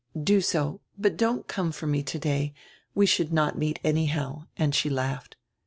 "Do so, but don't come for me today; we should not meet anyhow," and she laughed.